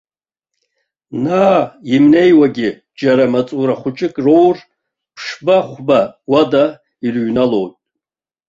Наа имнеиуагь, џьара маҵура хәыҷык роур, ԥшьба-хәба уада ирыҩналоит.